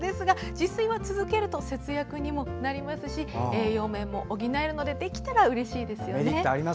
自炊は続けると節約にもなるし栄養面も補えるのでできたらうれしいですよね。